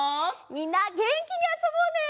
みんなげんきにあそぼうね！